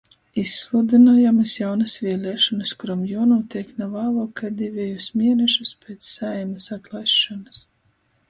Izsludynojamys jaunys vieliešonys, kurom juonūteik na vāluok kai divejus mienešus piec Saeimys atlaisšonys.